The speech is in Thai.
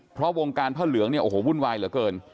เพราะวงการผ้าเหลืองเนี่ยโอ้โหวุ่นวายเหลือเกิน